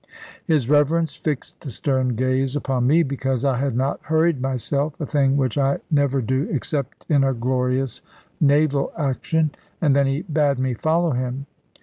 His Reverence fixed a stern gaze upon me, because I had not hurried myself a thing which I never do except in a glorious naval action and then he bade me follow him.